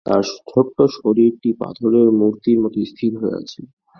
তার ছোট্ট শরীরটি পাথরের মূর্তির মতো স্থির হয়ে আছে।